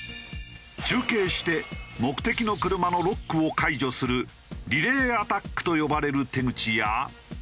中継して目的の車のロックを解除するリレーアタックと呼ばれる手口や。